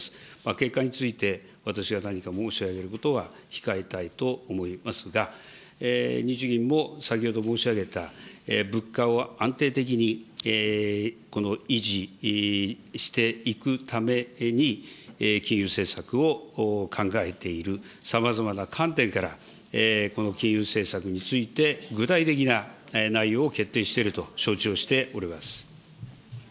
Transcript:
経過について私が何か申し上げることは控えたいと思いますが、日銀も先ほど申し上げた、物価を安定的に維持していくために金融政策を考えている、さまざまな観点から、この金融政策について具体的な内容を決定していると承知をしております。